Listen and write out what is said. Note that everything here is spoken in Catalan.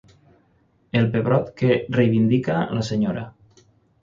El pebrot que reivindica la senyora.